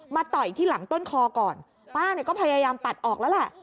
ต่อยที่หลังต้นคอก่อนป้าเนี่ยก็พยายามปัดออกแล้วแหละ